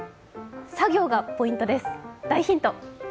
さ行がポイントです、大ヒント。